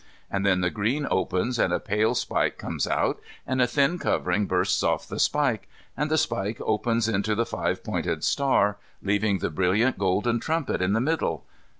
And then the green opens and a pale spike comes out, and a thin covering bursts off the spike, and the spike opens into the five pointed star, leaving the brilliant golden trumpet in the middle.